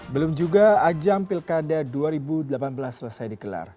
belum juga ajang pilkada dua ribu delapan belas selesai digelar